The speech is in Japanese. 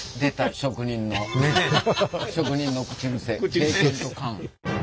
職人の口癖経験と勘。